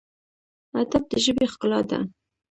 ادب د ژبې ښکلا ده